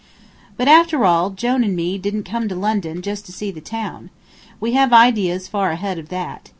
But, after all, Jone and me didn't come here to London just to see the town. We have ideas far ahead of that.